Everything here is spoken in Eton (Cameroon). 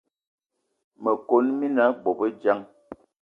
Me kon mina bobedjan.